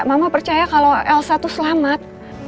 mama percaya kalau elsa tuh selamat